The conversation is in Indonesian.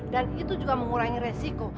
dan itu juga mengurangi resiko